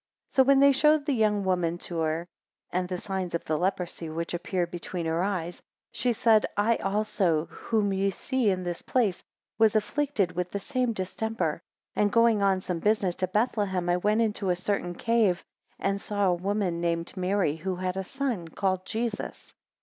13 So when they showed the young woman to her, and the signs of the leprosy, which appeared between her eyes; 14 She said, I also whom ye see in this place, was afflicted with the same distemper, and going on some business to Bethlehem, I went into a certain cave, and saw a woman named Mary, who had a son called Jesus.